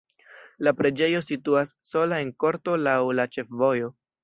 La preĝejo situas sola en korto laŭ la ĉefvojo.